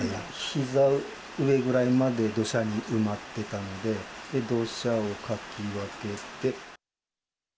ひざ上ぐらいまで土砂に埋まってたので、土砂をかき分けて。